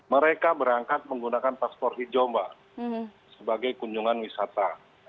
mereka berangkat menggunakan paspor hijau mbak sebagai kunjungan wisata